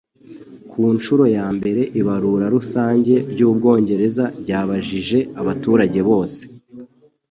ku nshuro ya mbere ibarura rusange ry'Ubwongereza ryabajije abaturage bose